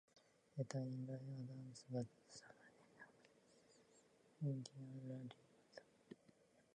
Later in life, Adams was the President of the Steubenville and Indiana Railroad.